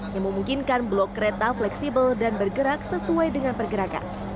yang memungkinkan blok kereta fleksibel dan bergerak sesuai dengan pergerakan